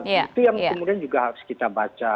itu yang kemudian juga harus kita baca